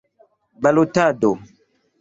balotado